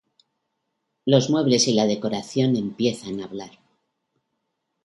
Los muebles y la decoración empiezan a hablar.